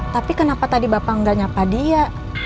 tapi kenapa tadi bapak nggak nyapa dia